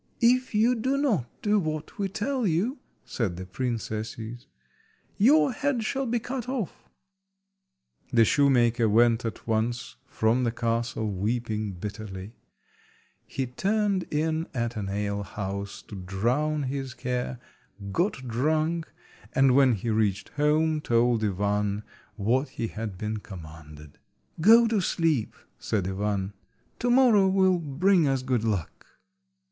"If you do not do what we tell you," said the princesses, "your head shall be cut off." The shoemaker went at once from the castle, weeping bitterly. He turned in at an alehouse to drown his care, got drunk, and when he reached home told Ivan what he had been commanded. "Go to sleep," said Ivan; "to morrow will bring us good luck."